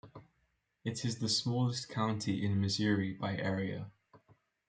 It is the smallest county in Missouri by area.